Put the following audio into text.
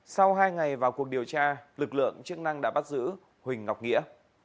sau hai ngày vào cuộc điều tra lực lượng chức năng đã bắt giữ huỳnh ngọc nghĩa